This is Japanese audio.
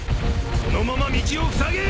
そのまま道をふさげ。